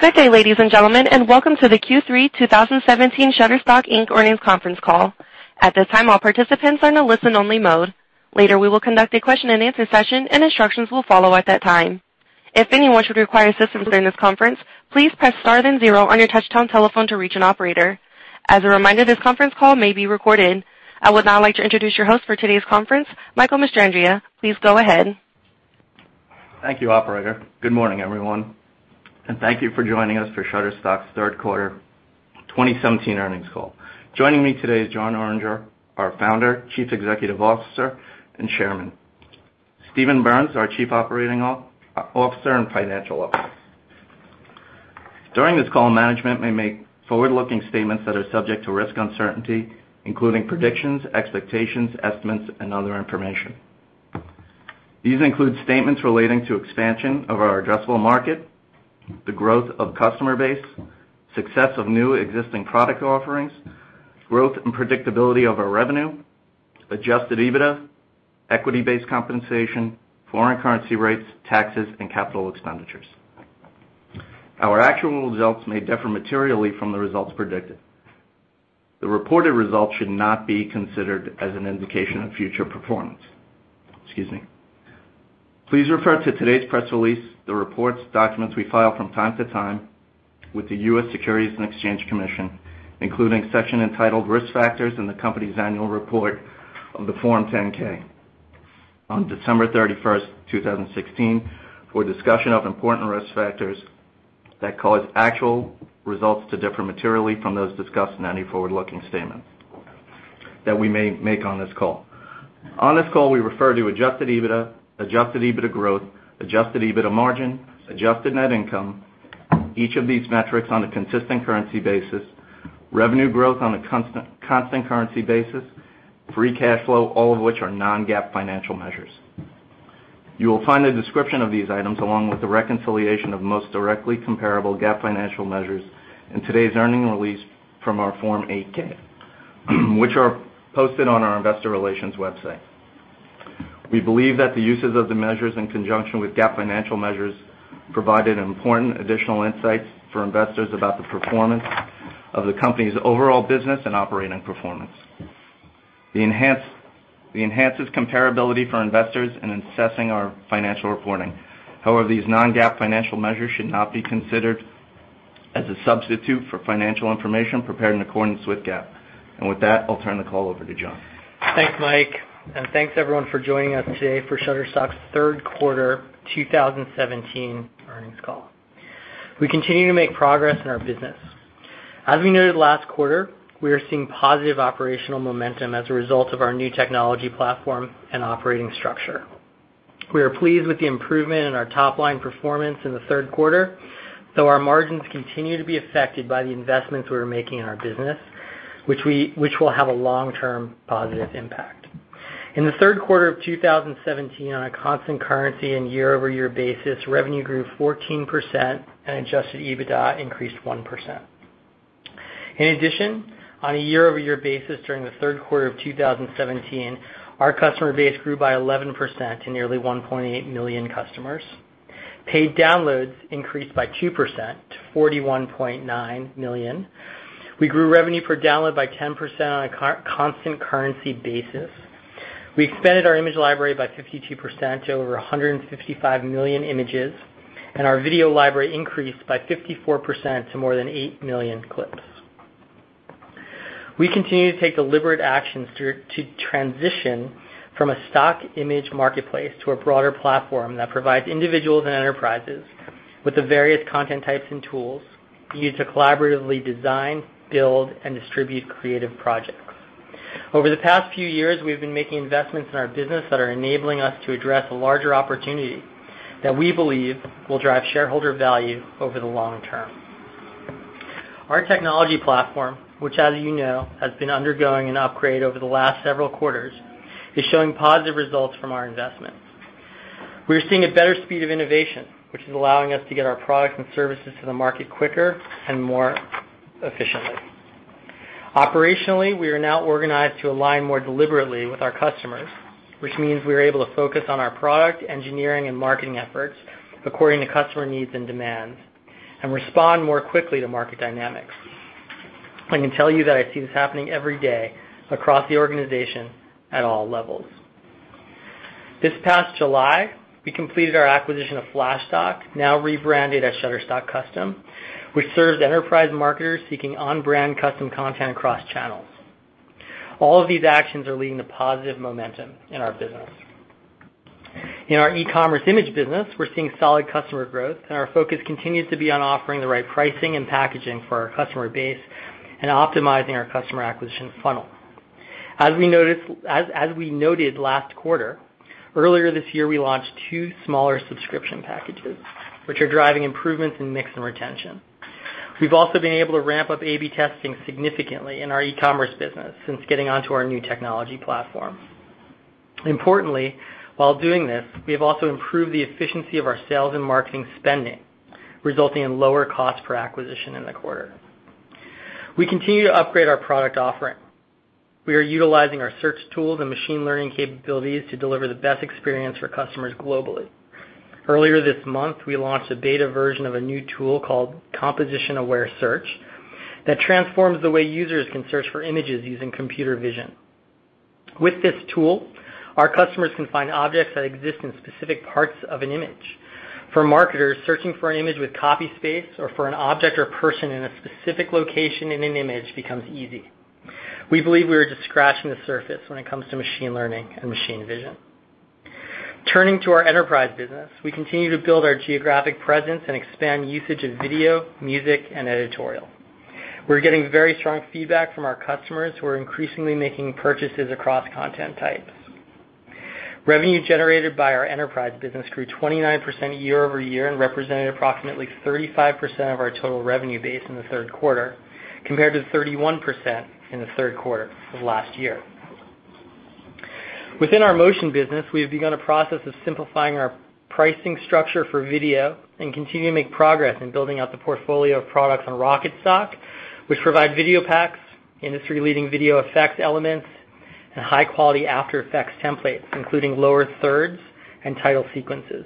Good day, ladies and gentlemen, and welcome to the Q3 2017 Shutterstock, Inc. earnings conference call. At this time, all participants are in a listen only mode. Later, we will conduct a question and answer session, and instructions will follow at that time. If anyone should require assistance during this conference, please press star then zero on your touchtone telephone to reach an operator. As a reminder, this conference call may be recorded. I would now like to introduce your host for today's conference, Michael Mestrandrea. Please go ahead. Thank you, operator. Good morning, everyone, and thank you for joining us for Shutterstock's third quarter 2017 earnings call. Joining me today is Jon Oringer, our Founder, Chief Executive Officer, and Chairman. Steven Berns, our Co-Chief Operating Officer and Chief Financial Officer. During this call, management may make forward-looking statements that are subject to risk uncertainty, including predictions, expectations, estimates, and other information. These include statements relating to expansion of our addressable market, the growth of customer base, success of new existing product offerings, growth and predictability of our revenue, adjusted EBITDA, equity-based compensation, foreign currency rates, taxes, and capital expenditures. Our actual results may differ materially from the results predicted. The reported results should not be considered as an indication of future performance. Excuse me. Please refer to today's press release, the reports, documents we file from time to time with the U.S. Securities and Exchange Commission, including section entitled Risk Factors in the company's annual report of the Form 10-K on December 31st, 2016, for a discussion of important risk factors that cause actual results to differ materially from those discussed in any forward-looking statements that we may make on this call. On this call, we refer to adjusted EBITDA, adjusted EBITDA growth, adjusted EBITDA margin, adjusted net income, each of these metrics on a constant currency basis, revenue growth on a constant currency basis, free cash flow, all of which are non-GAAP financial measures. You will find a description of these items along with the reconciliation of most directly comparable GAAP financial measures in today's earnings release from our Form 8-K, which are posted on our investor relations website. We believe that the uses of the measures in conjunction with GAAP financial measures provided important additional insights for investors about the performance of the company's overall business and operating performance. It enhances comparability for investors in assessing our financial reporting. However, these non-GAAP financial measures should not be considered as a substitute for financial information prepared in accordance with GAAP. With that, I'll turn the call over to Jon. Thanks, Mike, and thanks everyone for joining us today for Shutterstock's third quarter 2017 earnings call. We continue to make progress in our business. As we noted last quarter, we are seeing positive operational momentum as a result of our new technology platform and operating structure. We are pleased with the improvement in our top-line performance in the third quarter, though our margins continue to be affected by the investments we are making in our business, which will have a long-term positive impact. In the third quarter of 2017, on a constant currency and year-over-year basis, revenue grew 14% and adjusted EBITDA increased 1%. In addition, on a year-over-year basis during the third quarter of 2017, our customer base grew by 11% to nearly 1.8 million customers. Paid downloads increased by 2% to 41.9 million. We grew revenue per download by 10% on a constant currency basis. We expanded our image library by 52% to over 155 million images, and our video library increased by 54% to more than eight million clips. We continue to take deliberate actions to transition from a stock image marketplace to a broader platform that provides individuals and enterprises with the various content types and tools used to collaboratively design, build, and distribute creative projects. Over the past few years, we've been making investments in our business that are enabling us to address a larger opportunity that we believe will drive shareholder value over the long term. Our technology platform, which as you know, has been undergoing an upgrade over the last several quarters, is showing positive results from our investments. We are seeing a better speed of innovation, which is allowing us to get our products and services to the market quicker and more efficiently. Operationally, we are now organized to align more deliberately with our customers, which means we are able to focus on our product, engineering, and marketing efforts according to customer needs and demands and respond more quickly to market dynamics. I can tell you that I see this happening every day across the organization at all levels. This past July, we completed our acquisition of Flashstock, now rebranded as Shutterstock Custom, which serves enterprise marketers seeking on-brand custom content across channels. All of these actions are leading to positive momentum in our business. In our e-commerce image business, we're seeing solid customer growth, and our focus continues to be on offering the right pricing and packaging for our customer base and optimizing our customer acquisition funnel. As we noted last quarter, earlier this year, we launched two smaller subscription packages, which are driving improvements in mix and retention. We've also been able to ramp up A/B testing significantly in our e-commerce business since getting onto our new technology platform. Importantly, while doing this, we have also improved the efficiency of our sales and marketing spending, resulting in lower cost per acquisition in the quarter. We continue to upgrade our product offering. We are utilizing our search tools and machine learning capabilities to deliver the best experience for customers globally. Earlier this month, we launched a beta version of a new tool called Composition Aware Search that transforms the way users can search for images using computer vision. With this tool, our customers can find objects that exist in specific parts of an image. For marketers, searching for an image with copy space or for an object or person in a specific location in an image becomes easy. We believe we are just scratching the surface when it comes to machine learning and machine vision. Turning to our enterprise business, we continue to build our geographic presence and expand usage of video, music, and editorial. We're getting very strong feedback from our customers, who are increasingly making purchases across content types. Revenue generated by our enterprise business grew 29% year-over-year and represented approximately 35% of our total revenue base in the third quarter, compared to 31% in the third quarter of last year. Within our motion business, we have begun a process of simplifying our pricing structure for video and continue to make progress in building out the portfolio of products on RocketStock, which provide video packs, industry-leading video effects elements, and high-quality After Effects templates, including lower thirds and title sequences.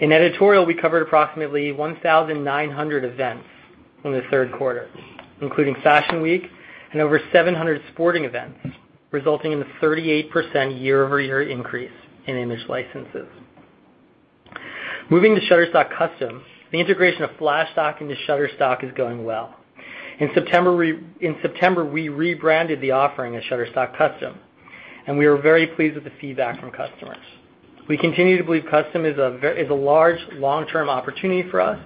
In editorial, we covered approximately 1,900 events in the third quarter, including Fashion Week and over 700 sporting events, resulting in a 38% year-over-year increase in image licenses. Moving to Shutterstock Custom, the integration of Flashstock into Shutterstock is going well. In September, we rebranded the offering as Shutterstock Custom. We are very pleased with the feedback from customers. We continue to believe Custom is a large, long-term opportunity for us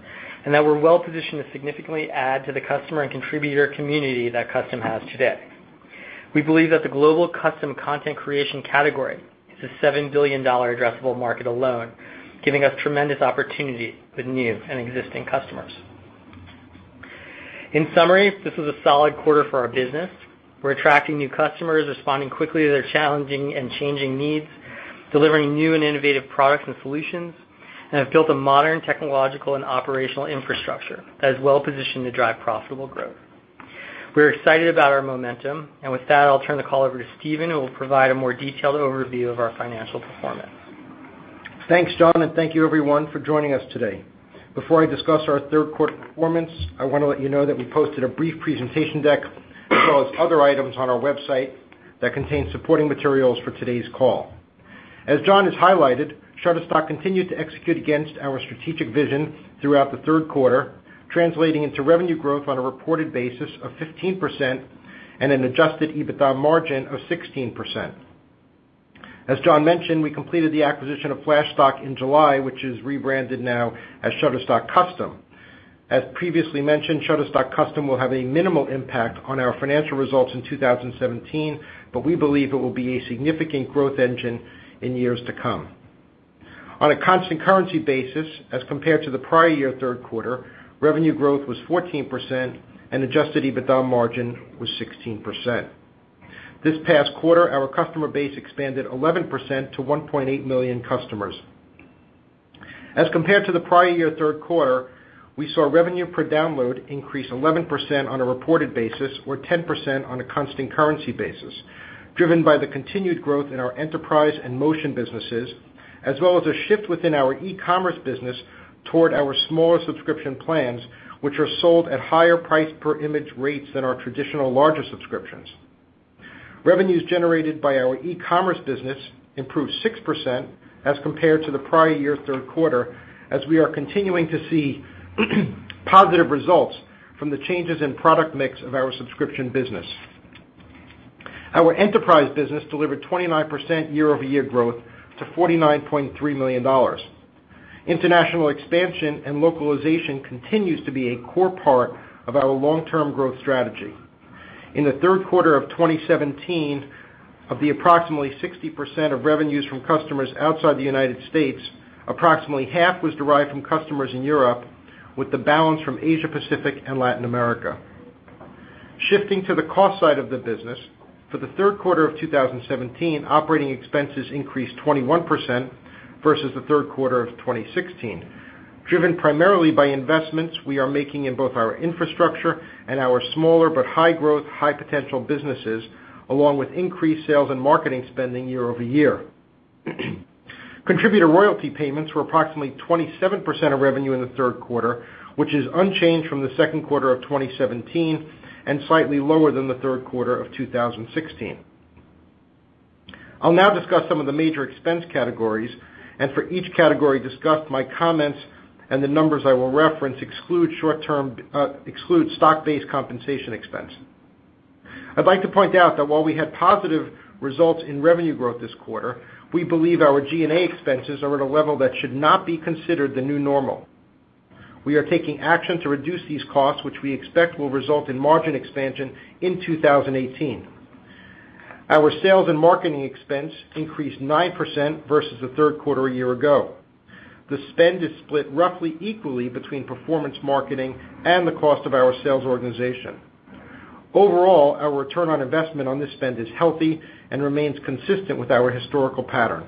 and that we're well positioned to significantly add to the customer and contributor community that Custom has today. We believe that the global custom content creation category is a $7 billion addressable market alone, giving us tremendous opportunity with new and existing customers. In summary, this was a solid quarter for our business. We're attracting new customers, responding quickly to their challenging and changing needs, delivering new and innovative products and solutions, and have built a modern technological and operational infrastructure that is well positioned to drive profitable growth. We're excited about our momentum. With that, I'll turn the call over to Steven, who will provide a more detailed overview of our financial performance. Thanks, Jon. Thank you everyone for joining us today. Before I discuss our third quarter performance, I want to let you know that we posted a brief presentation deck, as well as other items on our website that contain supporting materials for today's call. As Jon has highlighted, Shutterstock continued to execute against our strategic vision throughout the third quarter, translating into revenue growth on a reported basis of 15% and an adjusted EBITDA margin of 16%. As Jon mentioned, we completed the acquisition of Flashstock in July, which is rebranded now as Shutterstock Custom. As previously mentioned, Shutterstock Custom will have a minimal impact on our financial results in 2017. We believe it will be a significant growth engine in years to come. On a constant currency basis, as compared to the prior year third quarter, revenue growth was 14% and adjusted EBITDA margin was 16%. This past quarter, our customer base expanded 11% to 1.8 million customers. As compared to the prior year third quarter, we saw revenue per download increase 11% on a reported basis or 10% on a constant currency basis, driven by the continued growth in our enterprise and motion businesses, as well as a shift within our e-commerce business toward our smaller subscription plans, which are sold at higher price per image rates than our traditional larger subscriptions. Revenues generated by our e-commerce business improved 6% as compared to the prior year third quarter as we are continuing to see positive results from the changes in product mix of our subscription business. Our enterprise business delivered 29% year-over-year growth to $49.3 million. International expansion and localization continues to be a core part of our long-term growth strategy. In the third quarter of 2017, of the approximately 60% of revenues from customers outside the U.S., approximately half was derived from customers in Europe, with the balance from Asia Pacific and Latin America. Shifting to the cost side of the business, for the third quarter of 2017, operating expenses increased 21% versus the third quarter of 2016, driven primarily by investments we are making in both our infrastructure and our smaller but high-growth, high-potential businesses, along with increased sales and marketing spending year-over-year. Contributor royalty payments were approximately 27% of revenue in the third quarter, which is unchanged from the second quarter of 2017 and slightly lower than the third quarter of 2016. I'll now discuss some of the major expense categories, and for each category discussed, my comments and the numbers I will reference exclude stock-based compensation expense. I'd like to point out that while we had positive results in revenue growth this quarter, we believe our G&A expenses are at a level that should not be considered the new normal. We are taking action to reduce these costs, which we expect will result in margin expansion in 2018. Our sales and marketing expense increased 9% versus the third quarter a year ago. The spend is split roughly equally between performance marketing and the cost of our sales organization. Overall, our return on investment on this spend is healthy and remains consistent with our historical pattern.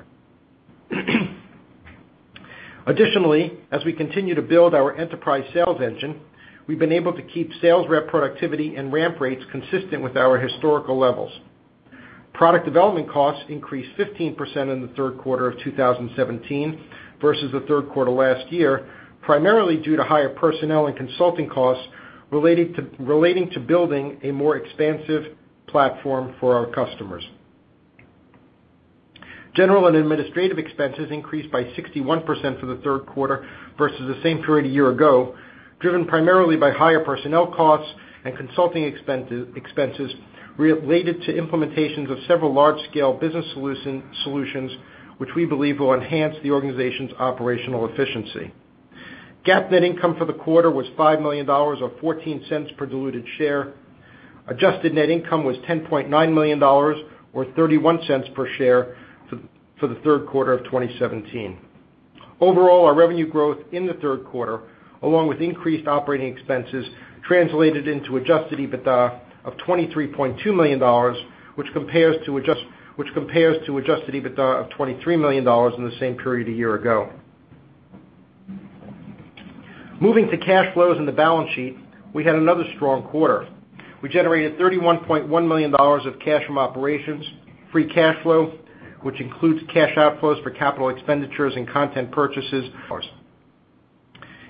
Additionally, as we continue to build our enterprise sales engine, we've been able to keep sales rep productivity and ramp rates consistent with our historical levels. Product development costs increased 15% in the third quarter of 2017 versus the third quarter last year, primarily due to higher personnel and consulting costs relating to building a more expansive platform for our customers. General and administrative expenses increased by 61% for the third quarter versus the same period a year ago, driven primarily by higher personnel costs and consulting expenses related to implementations of several large-scale business solutions, which we believe will enhance the organization's operational efficiency. GAAP net income for the quarter was $5 million, or $0.14 per diluted share. Adjusted net income was $10.9 million, or $0.31 per share for the third quarter of 2017. Overall, our revenue growth in the third quarter, along with increased operating expenses, translated into adjusted EBITDA of $23.2 million, which compares to adjusted EBITDA of $23 million in the same period a year ago. Moving to cash flows in the balance sheet, we had another strong quarter. We generated $31.1 million of cash from operations, free cash flow, which includes cash outflows for capital expenditures and content purchases.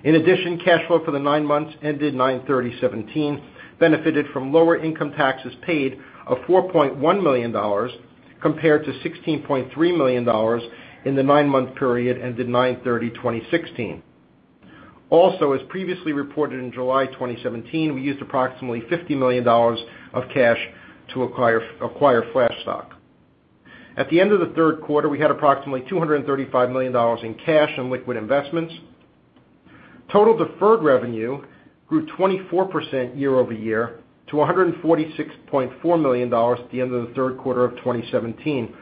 In addition, cash flow for the nine months ended 9/30/2017 benefited from lower income taxes paid of $4.1 million, compared to $16.3 million in the nine-month period ended 9/30/2016. Also, as previously reported in July 2017, we used approximately $50 million of cash to acquire Flashstock. At the end of the third quarter, we had approximately $235 million in cash and liquid investments. Total deferred revenue grew 24% year-over-year to $146.4 million at the end of the third quarter of 2017,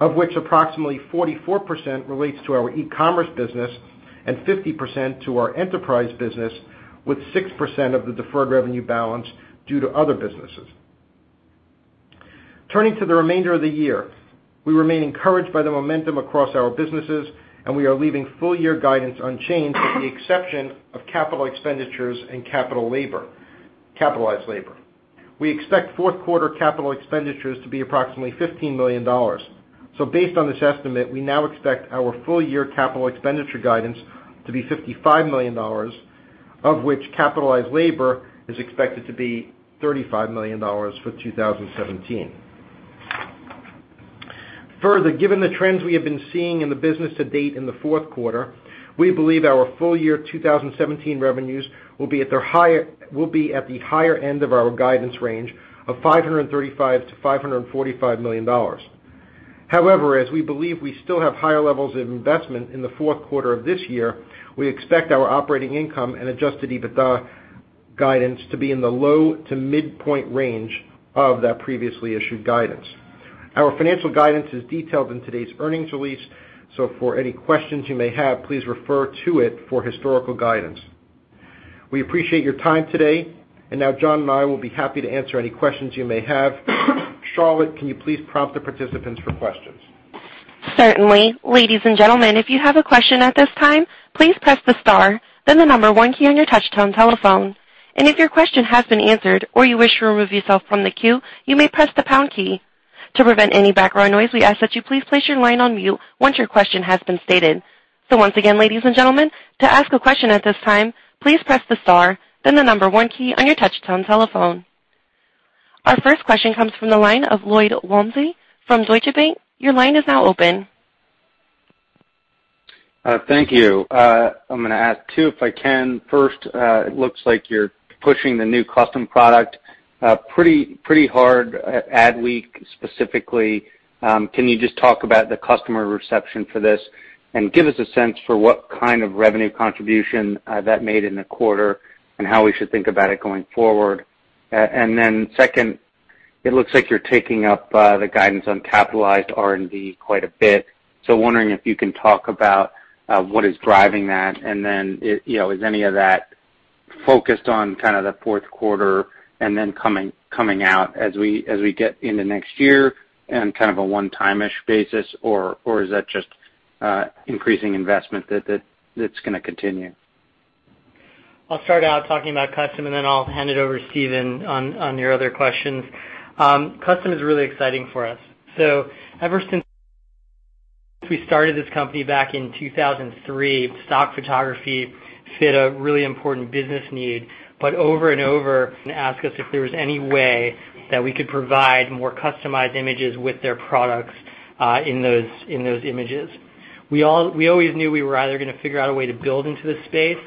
of which approximately 44% relates to our e-commerce business and 50% to our enterprise business, with 6% of the deferred revenue balance due to other businesses. Turning to the remainder of the year, we remain encouraged by the momentum across our businesses. We are leaving full year guidance unchanged, with the exception of capital expenditures and capitalized labor. We expect fourth quarter capital expenditures to be approximately $15 million. Based on this estimate, we now expect our full-year capital expenditure guidance to be $55 million, of which capitalized labor is expected to be $35 million for 2017. Given the trends we have been seeing in the business to date in the fourth quarter, we believe our full-year 2017 revenues will be at the higher end of our guidance range of $535 million-$545 million. As we believe we still have higher levels of investment in the fourth quarter of this year, we expect our operating income and adjusted EBITDA guidance to be in the low to midpoint range of that previously issued guidance. Our financial guidance is detailed in today's earnings release. For any questions you may have, please refer to it for historical guidance. We appreciate your time today. Now Jon and I will be happy to answer any questions you may have. Charlotte, can you please prompt the participants for questions? Certainly. Ladies and gentlemen, if you have a question at this time, please press the star, then the 1 key on your touch tone telephone. If your question has been answered, or you wish to remove yourself from the queue, you may press the pound key. To prevent any background noise, we ask that you please place your line on mute once your question has been stated. Once again, ladies and gentlemen, to ask a question at this time, please press the star, then the 1 key on your touch tone telephone. Our first question comes from the line of Lloyd Walmsley from Deutsche Bank. Your line is now open. Thank you. I'm going to ask two if I can. First, it looks like you're pushing the new custom product pretty hard at Adweek specifically. Can you just talk about the customer reception for this and give us a sense for what kind of revenue contribution that made in the quarter and how we should think about it going forward? Second, it looks like you're taking up the guidance on capitalized R&D quite a bit. Wondering if you can talk about what is driving that, and then is any of that focused on kind of the fourth quarter and then coming out as we get into next year on kind of a one-time-ish basis, or is that just increasing investment that's going to continue? I'll start out talking about custom, and then I'll hand it over to Steven on your other questions. Custom is really exciting for us. Ever since we started this company back in 2003, stock photography fit a really important business need. Over and over, clients ask us if there was any way that we could provide more customized images with their products in those images. We always knew we were either going to figure out a way to build into this space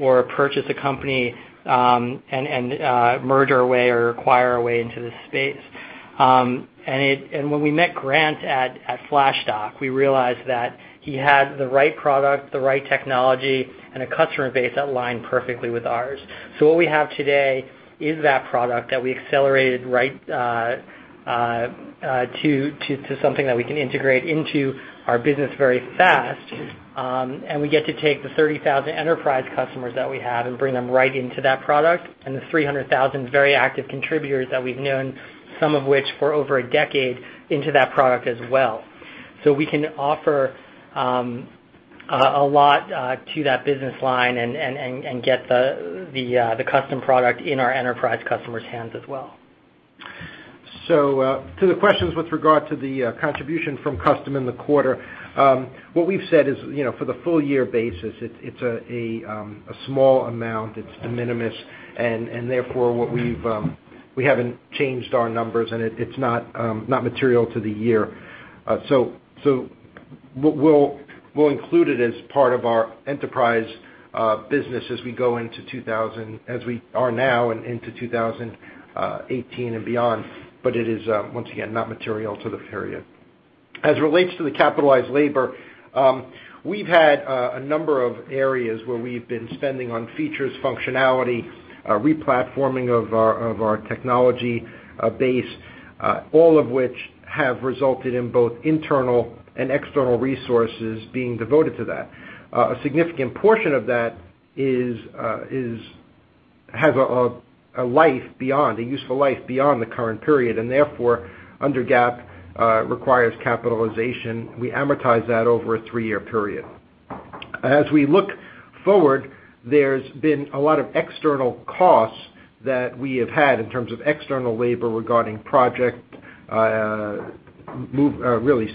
or purchase a company and merge our way or acquire our way into this space. When we met Grant at Flashstock, we realized that he had the right product, the right technology, and a customer base that aligned perfectly with ours. What we have today is that product that we accelerated right to something that we can integrate into our business very fast. We get to take the 30,000 enterprise customers that we have and bring them right into that product, and the 300,000 very active contributors that we've known, some of which for over a decade, into that product as well. We can offer A lot to that business line and get the custom product in our enterprise customers' hands as well. To the questions with regard to the contribution from custom in the quarter, what we've said is, for the full year basis, it's a small amount. It's de minimis, and therefore, we haven't changed our numbers, and it's not material to the year. We'll include it as part of our enterprise business as we are now and into 2018 and beyond. It is, once again, not material to the period. As it relates to the capitalized labor, we've had a number of areas where we've been spending on features, functionality, re-platforming of our technology base, all of which have resulted in both internal and external resources being devoted to that. A significant portion of that has a useful life beyond the current period and therefore, under GAAP, requires capitalization. We amortize that over a three-year period. As we look forward, there's been a lot of external costs that we have had in terms of external labor regarding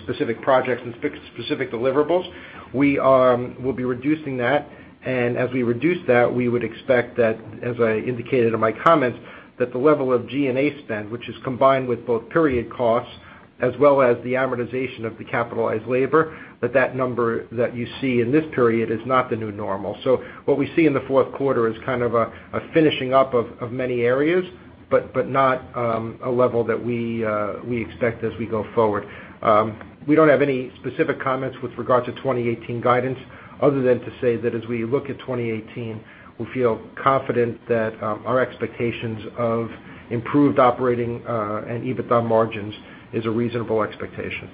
specific projects and specific deliverables. We'll be reducing that, and as we reduce that, we would expect that, as I indicated in my comments, that the level of G&A spend, which is combined with both period costs as well as the amortization of the capitalized labor, that number that you see in this period is not the new normal. What we see in the fourth quarter is kind of a finishing up of many areas, but not a level that we expect as we go forward. We don't have any specific comments with regard to 2018 guidance other than to say that as we look at 2018, we feel confident that our expectations of improved operating and EBITDA margins is a reasonable expectation.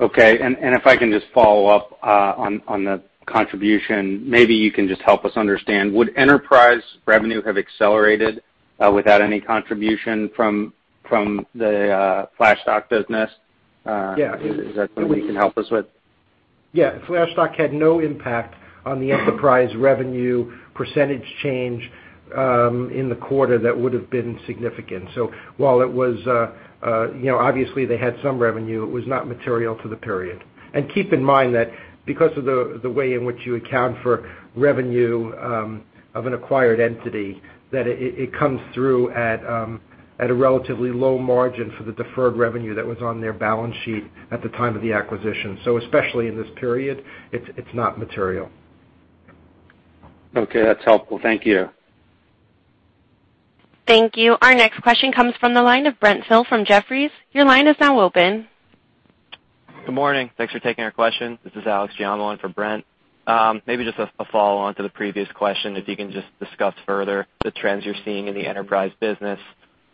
Okay, if I can just follow up on the contribution, maybe you can just help us understand. Would enterprise revenue have accelerated without any contribution from the Flashstock business? Yeah. Is that something you can help us with? Yeah. Flashstock had no impact on the enterprise revenue percentage change in the quarter that would've been significant. While obviously they had some revenue, it was not material to the period. Keep in mind that because of the way in which you account for revenue of an acquired entity, that it comes through at a relatively low margin for the deferred revenue that was on their balance sheet at the time of the acquisition. Especially in this period, it's not material. Okay. That's helpful. Thank you. Thank you. Our next question comes from the line of Brent Thill from Jefferies. Your line is now open. Good morning. Thanks for taking our question. This is Alex Giaimo for Brent. Maybe just a follow-on to the previous question, if you can just discuss further the trends you're seeing in the enterprise business.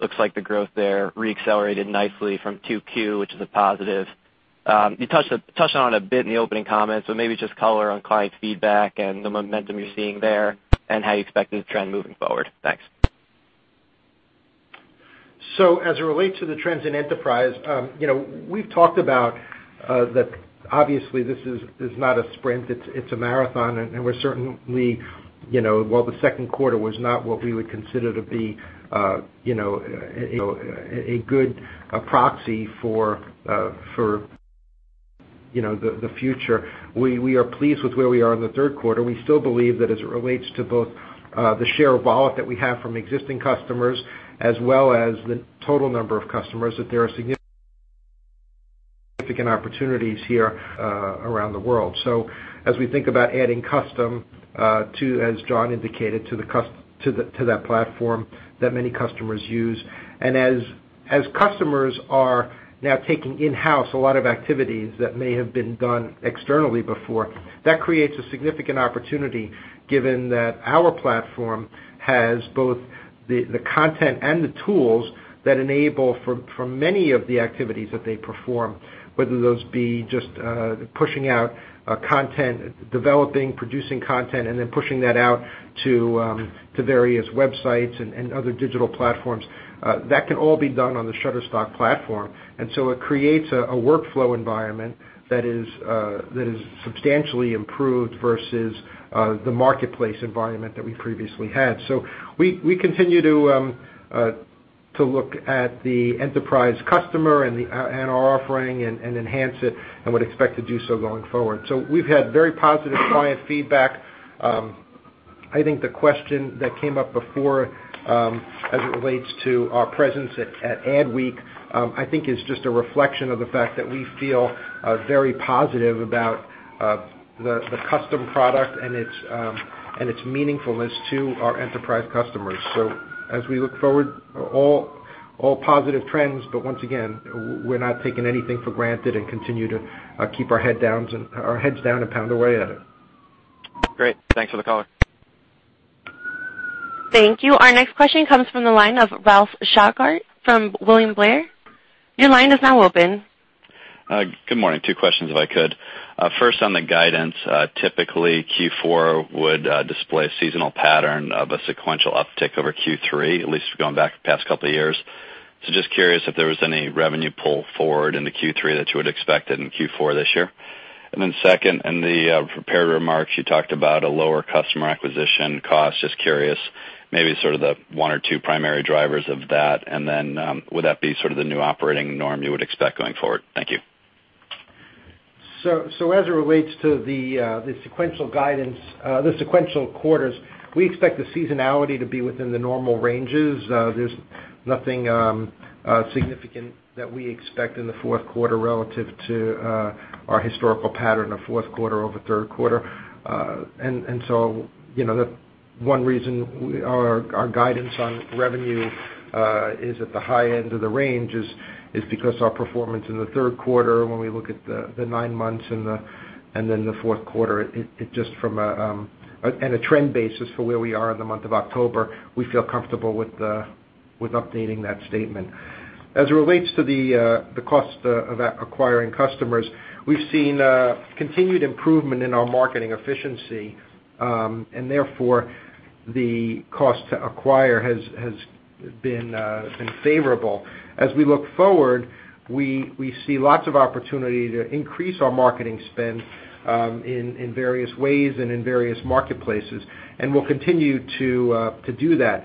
Looks like the growth there re-accelerated nicely from 2Q, which is a positive. You touched on it a bit in the opening comments, maybe just color on client feedback and the momentum you're seeing there and how you expect it to trend moving forward. Thanks. As it relates to the trends in enterprise, we've talked about that obviously this is not a sprint, it's a marathon, and we're certainly, while the second quarter was not what we would consider to be a good proxy for the future, we are pleased with where we are in the third quarter. We still believe that as it relates to both the share of wallet that we have from existing customers as well as the total number of customers, that there are significant opportunities here around the world. As we think about adding Custom, as Jon indicated, to that platform that many customers use, and as customers are now taking in-house a lot of activities that may have been done externally before, that creates a significant opportunity given that our platform has both the content and the tools that enable for many of the activities that they perform, whether those be just pushing out content, developing, producing content, and then pushing that out to various websites and other digital platforms. It can all be done on the Shutterstock platform, and it creates a workflow environment that is substantially improved versus the marketplace environment that we previously had. We continue to look at the enterprise customer and our offering and enhance it and would expect to do so going forward. We've had very positive client feedback. I think the question that came up before, as it relates to our presence at Adweek, I think is just a reflection of the fact that we feel very positive about the Custom product and its meaningfulness to our enterprise customers. As we look forward, all positive trends, but once again, we're not taking anything for granted and continue to keep our heads down and pound away at it. Great. Thanks for the color. Thank you. Our next question comes from the line of Ralph Schackart from William Blair. Your line is now open. Good morning. Two questions, if I could. First, on the guidance. Typically, Q4 would display a seasonal pattern of a sequential uptick over Q3, at least going back the past couple of years. Just curious if there was any revenue pull forward into Q3 that you had expected in Q4 this year. Second, in the prepared remarks, you talked about a lower customer acquisition cost. Just curious, maybe sort of the one or two primary drivers of that, and then would that be sort of the new operating norm you would expect going forward? Thank you. As it relates to the sequential quarters, we expect the seasonality to be within the normal ranges. There's nothing significant that we expect in the fourth quarter relative to our historical pattern of fourth quarter over third quarter. One reason our guidance on revenue is at the high end of the range is because our performance in the third quarter, when we look at the nine months and then the fourth quarter, and a trend basis for where we are in the month of October, we feel comfortable with updating that statement. As it relates to the cost of acquiring customers, we've seen continued improvement in our marketing efficiency, and therefore, the cost to acquire has been favorable. As we look forward, we see lots of opportunity to increase our marketing spend in various ways and in various marketplaces. We'll continue to do that.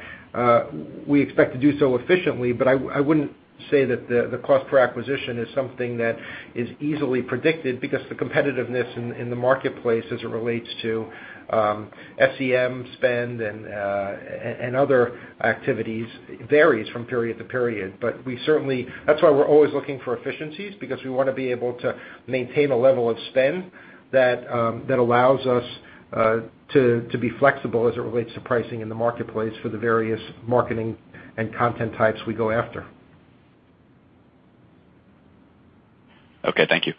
We expect to do so efficiently, I wouldn't say that the cost per acquisition is something that is easily predicted because the competitiveness in the marketplace as it relates to SEM spend and other activities varies from period to period. That's why we're always looking for efficiencies because we want to be able to maintain a level of spend that allows us to be flexible as it relates to pricing in the marketplace for the various marketing and content types we go after. Okay, thank you.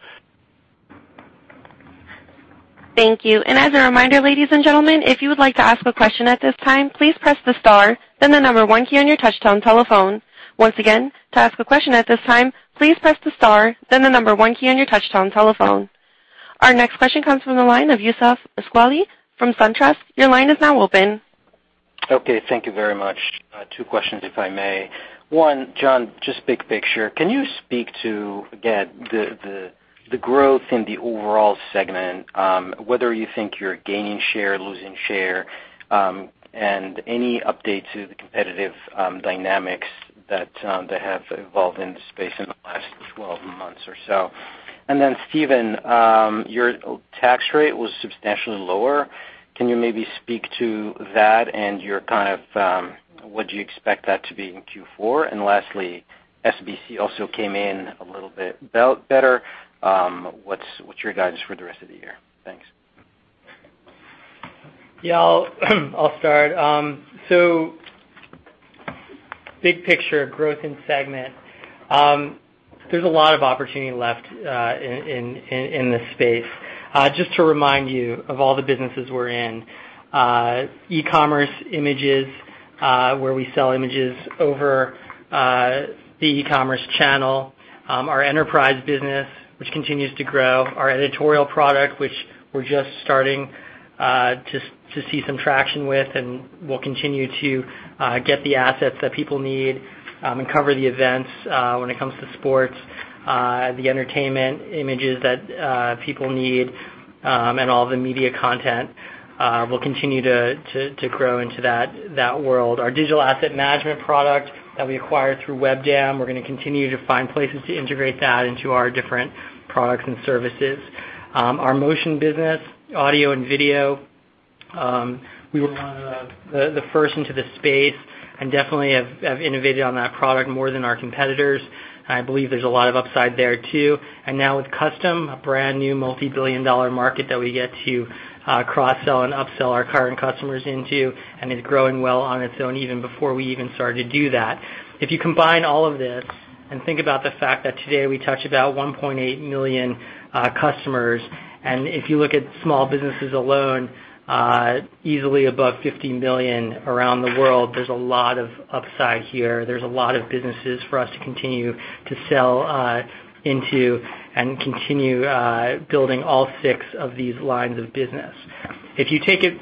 Thank you. As a reminder, ladies and gentlemen, if you would like to ask a question at this time, please press the star, then the number one key on your touchtone telephone. Once again, to ask a question at this time, please press the star, then the number one key on your touchtone telephone. Our next question comes from the line of Youssef Squali from SunTrust. Your line is now open. Okay, thank you very much. Two questions, if I may. One, Jon, just big picture. Can you speak to, again, the growth in the overall segment, whether you think you're gaining share, losing share, and any update to the competitive dynamics that have evolved in the space in the last 12 months or so? Then Steven, your tax rate was substantially lower. Can you maybe speak to that and what do you expect that to be in Q4? Lastly, SBC also came in a little bit better. What's your guidance for the rest of the year? Thanks. I'll start. Big picture growth in segment. There's a lot of opportunity left in this space. Just to remind you of all the businesses we're in. E-commerce images, where we sell images over the e-commerce channel. Our enterprise business, which continues to grow. Our editorial product, which we're just starting to see some traction with and will continue to get the assets that people need and cover the events when it comes to sports, the entertainment images that people need, and all the media content will continue to grow into that world. Our digital asset management product that we acquired through Webdam, we're going to continue to find places to integrate that into our different products and services. Our motion business, audio and video, we were one of the first into the space and definitely have innovated on that product more than our competitors. I believe there's a lot of upside there too. Now with Custom, a brand new multibillion-dollar market that we get to cross-sell and upsell our current customers into, is growing well on its own even before we even started to do that. If you combine all of this and think about the fact that today we touch about 1.8 million customers, if you look at small businesses alone, easily above 50 million around the world, there's a lot of upside here. There's a lot of businesses for us to continue to sell into and continue building all six of these lines of business. If you take it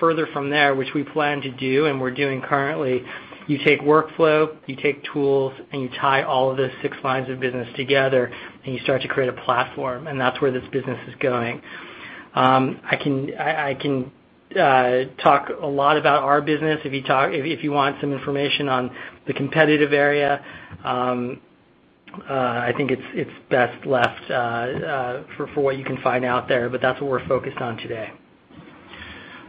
further from there, which we plan to do and we're doing currently, you take workflow, you take tools, you tie all of the six lines of business together, you start to create a platform, that's where this business is going. I can talk a lot about our business. If you want some information on the competitive area, I think it's best left for what you can find out there, that's what we're focused on today.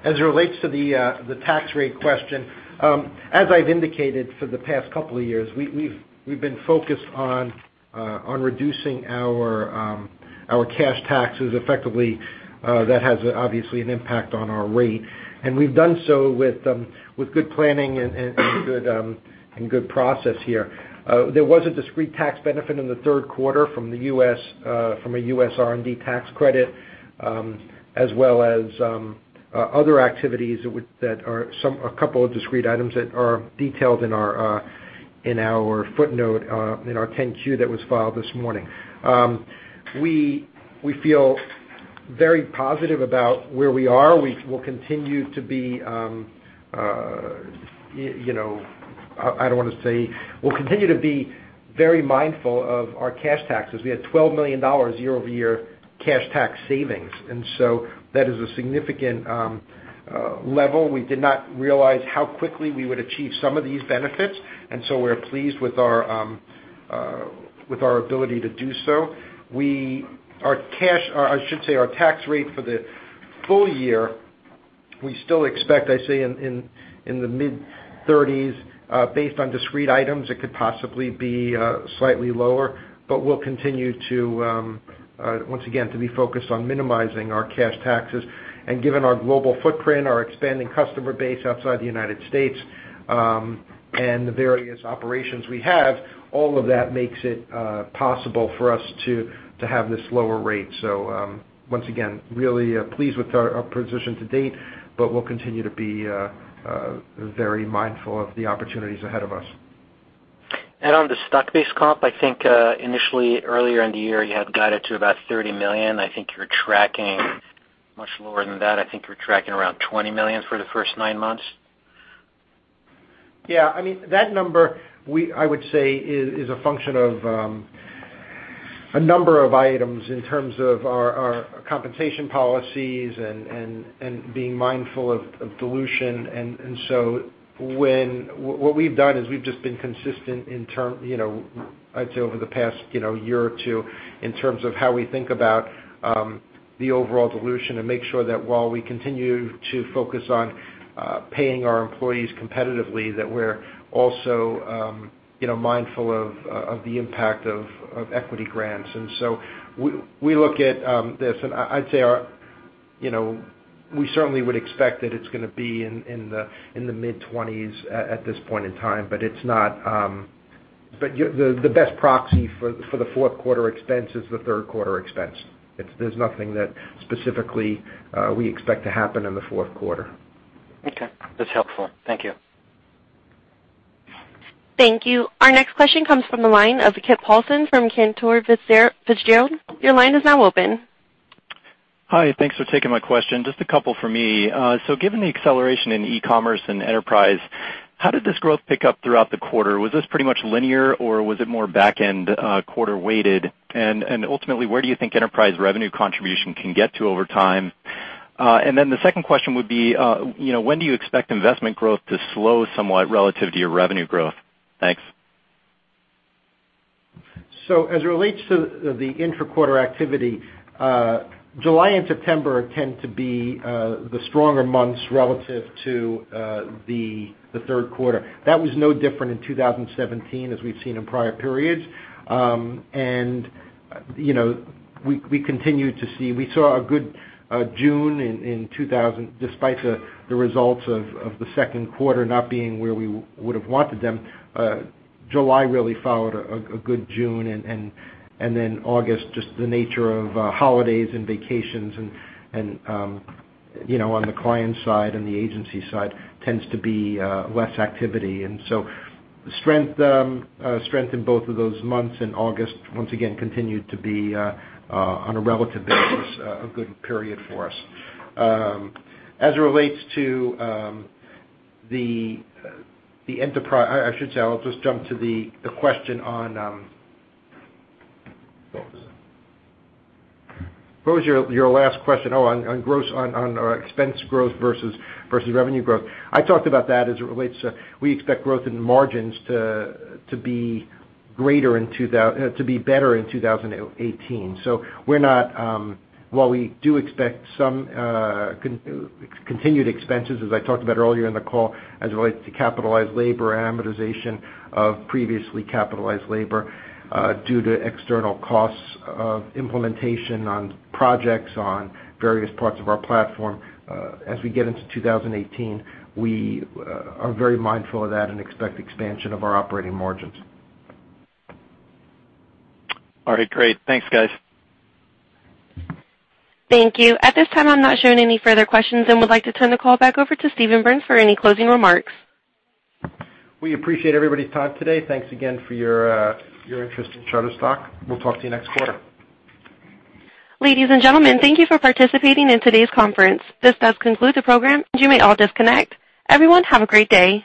As it relates to the tax rate question, as I've indicated for the past couple of years, we've been focused on reducing our cash taxes effectively. That has obviously an impact on our rate. We've done so with good planning and good process here. There was a discrete tax benefit in the third quarter from a U.S. R&D tax credit, as well as other activities, a couple of discrete items that are detailed in our footnote in our 10-Q that was filed this morning. We feel very positive about where we are. We'll continue to be very mindful of our cash taxes. We had $12 million year-over-year cash tax savings, that is a significant level. We did not realize how quickly we would achieve some of these benefits, we're pleased with our ability to do so. Our tax rate for the full year, we still expect, I'd say in the mid-30s. Based on discrete items, it could possibly be slightly lower, we'll continue to, once again, be focused on minimizing our cash taxes. Given our global footprint, our expanding customer base outside the United States, and the various operations we have, all of that makes it possible for us to have this lower rate. Once again, really pleased with our position to date, we'll continue to be very mindful of the opportunities ahead of us. On the stock-based comp, I think initially earlier in the year, you had guided to about $30 million. I think you're tracking much lower than that. I think you're tracking around $20 million for the first nine months. Yeah. That number, I would say is a function of a number of items in terms of our compensation policies and being mindful of dilution. What we've done is we've just been consistent, I'd say over the past year or two, in terms of how we think about the overall dilution and make sure that while we continue to focus on paying our employees competitively, that we're also mindful of the impact of equity grants. We look at this, and I'd say, we certainly would expect that it's going to be in the mid-20s at this point in time. The best proxy for the fourth quarter expense is the third quarter expense. There's nothing that specifically we expect to happen in the fourth quarter. Okay. That's helpful. Thank you. Thank you. Our next question comes from the line of Kip Paulson from Cantor Fitzgerald. Your line is now open. Hi, thanks for taking my question. Just a couple from me. Given the acceleration in e-commerce and enterprise, how did this growth pick up throughout the quarter? Was this pretty much linear or was it more back-end quarter weighted? Ultimately, where do you think enterprise revenue contribution can get to over time? Then the second question would be, when do you expect investment growth to slow somewhat relative to your revenue growth? Thanks. As it relates to the intra-quarter activity, July and September tend to be the stronger months relative to the third quarter. That was no different in 2017 as we've seen in prior periods. We saw a good June despite the results of the second quarter not being where we would've wanted them. July really followed a good June, August, just the nature of holidays and vacations on the client side and the agency side tends to be less activity. Strength in both of those months, and August once again continued to be, on a relative basis, a good period for us. As it relates to the enterprise, I should say, I'll just jump to the question on What was your last question? Oh, on our expense growth versus revenue growth. I talked about that as it relates to, we expect growth in margins to be better in 2018. While we do expect some continued expenses, as I talked about earlier in the call, as it relates to capitalized labor, amortization of previously capitalized labor due to external costs of implementation on projects on various parts of our platform as we get into 2018, we are very mindful of that and expect expansion of our operating margins. All right, great. Thanks, guys. Thank you. At this time, I'm not showing any further questions and would like to turn the call back over to Steven Berns for any closing remarks. We appreciate everybody's time today. Thanks again for your interest in Shutterstock. We'll talk to you next quarter. Ladies and gentlemen, thank you for participating in today's conference. This does conclude the program, and you may all disconnect. Everyone, have a great day.